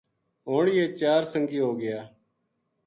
ہن یہ چار سنگی ہو گیا